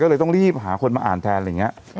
ก็เลยต้องรีบหาคนมาอ่านแทนอะไรอย่างนี้